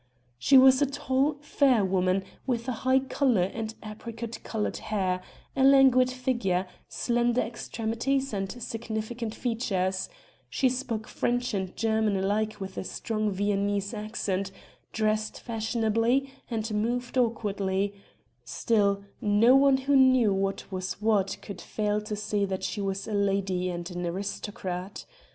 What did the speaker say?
She was a tall, fair woman with a high color and apricot colored hair, a languid figure, slender extremities and insignificant features; she spoke French and German alike with a strong Viennese accent, dressed unfashionably, and moved awkwardly; still, no one who knew what was what, could fail to see that she was a lady and an aristocrat.